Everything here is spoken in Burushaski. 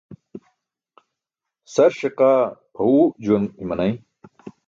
Sar ṣiqaa pʰaẏuu juwan i̇manay.